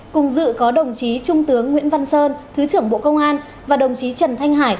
cùng dự có đồng chí trung tướng nguyễn văn sơn thứ trưởng bộ công an và đồng chí trần thanh hải